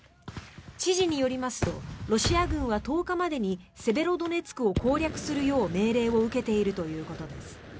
知事によりますとロシア軍は１０日までにセベロドネツクを攻略するよう命令を受けているということです。